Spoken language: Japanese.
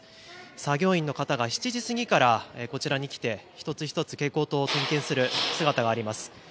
作業員の方が７時過ぎからこちらに来て一つ一つ、蛍光灯を点検する姿があります。